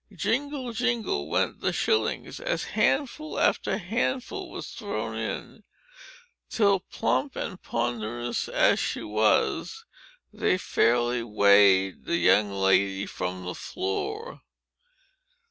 Jingle, jingle, went the shillings, as handful after handful was thrown in, till, plump and ponderous as she was, they fairly weighed the young lady from the floor.